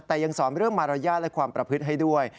แต่ยังสอนเรื่องมารยาทและความประพฤติให้ด้วย